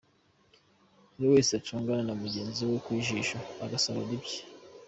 Buri wese acungana na mugenzi we ku jisho agasahura ibye.